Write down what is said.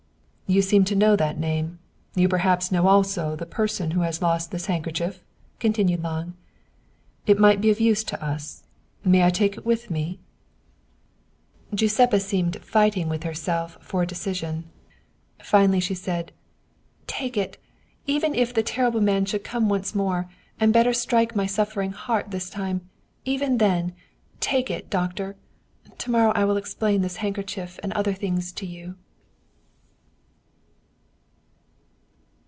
" You seem to know that name. You perhaps know also the person who has lost this handkerchief ?" continued Lange. " It might be of use to us ; may I take it with me ?" 99 German Mystery Stories Giuseppa seemed fighting with herself for a decision. Finally she said :" Take it ! Even if the terrible man should come once more, and better strike my suffering heart this time even then! Take it, doctor. To morrow I will explain this handkerchief and other things to you."